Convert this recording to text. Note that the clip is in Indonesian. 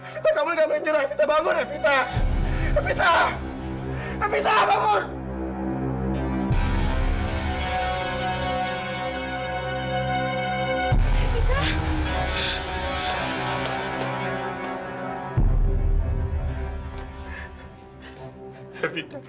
evita kamu nggak boleh menjerah evita bangun evita evita evita bangun